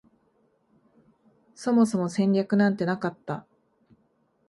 そもそも戦略なんてなかった